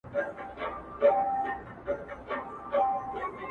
د نالیو او بالښتانو پوښونه و ايستل سي